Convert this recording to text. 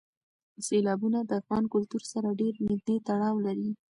سیلابونه د افغان کلتور سره ډېر نږدې تړاو لري.